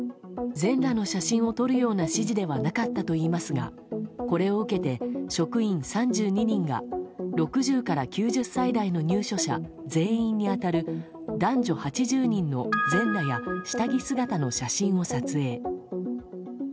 全裸の写真を撮るような指示ではなかったといいますがこれを受けて職員３２人が６０歳から９０歳代の入所者全員に当たる男女８０人の全裸や下着姿の写真を撮影。